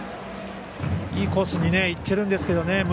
いいコースにいってるんですけどね。